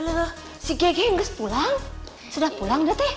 uluh uluh si gege ngges pulang sudah pulang deh teh